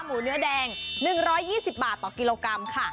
หมูเนื้อแดง๑๒๐บาทต่อกิโลกรัมค่ะ